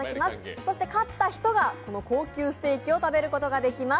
そして勝った人がこの高級ステーキを食べることができます。